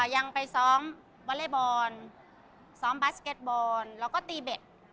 ยังไปซ้อมวอเล็กบอลซ้อมบาสเก็ตบอลแล้วก็ตีเบ็ด